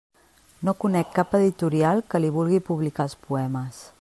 No conec cap editorial que li vulgui publicar els poemes.